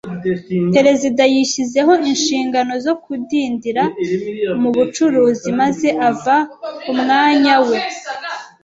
Perezida yishyizeho inshingano zo kudindira mu bucuruzi, maze ava ku mwanya we.